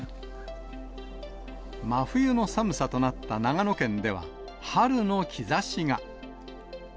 真冬の寒さとなった長野県では、春の兆しが。